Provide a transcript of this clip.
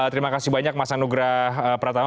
terima kasih banyak mas anugrah pratama